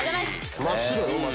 真っ白や。